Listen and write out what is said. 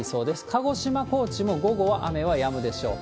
鹿児島、高知も午後は雨はやむでしょう。